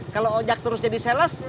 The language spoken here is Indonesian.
kalau ojak terus jadi sales